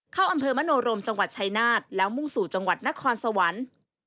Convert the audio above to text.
เข้าอำเภอมโนรมจังหวัดชายนาฏแล้วมุ่งสู่จังหวัดนครสวรรค์